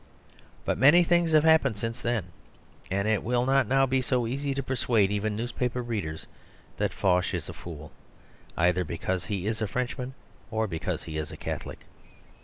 But many things have happened since then ; and it will not now be so easy to persuade even newspaper read ers that Foch is a fool, either because he is a Frenchman or because he is a Catholic.